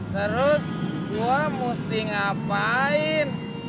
terus gua musti ngapain